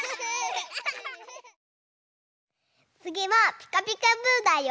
つぎは「ピカピカブ！」だよ！